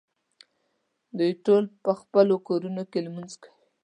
دوی ټول په خپلو کورونو کې لمونځ کوي.